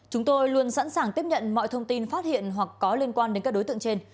chúng tôi luôn sẵn sàng tiếp nhận mọi thông tin phát hiện hoặc có liên quan đến các đối tượng trên